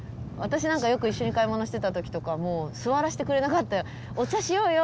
私なんかよく一緒に買い物してた時とかもう座らしてくれなかったよ。